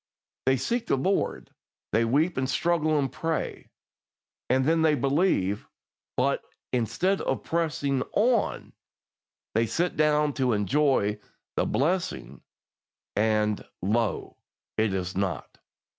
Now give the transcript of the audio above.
They seek the Lord, they weep and struggle and pray, and then they believe; but, instead of pressing on, they sit down to enjoy the blessing, and, lo! it is not.